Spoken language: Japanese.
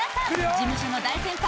事務所の大先輩